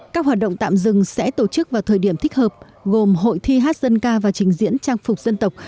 các hoạt động tạm dừng sẽ tổ chức vào thời điểm thích hợp gồm hội thi hát dân ca và trình diễn trang phục dân tộc